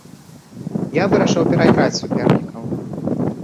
Я вырашыў перайграць супернікаў.